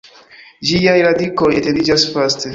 Ĝiaj radikoj etendiĝas vaste.